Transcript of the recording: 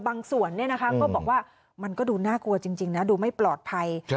บางส่วนเนี่ยนะคะก็บอกว่ามันก็ดูน่ากลัวจริงนะดูไม่ปลอดภัย